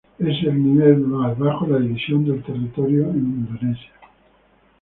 Es el nivel más bajo en la división del territorio en Indonesia.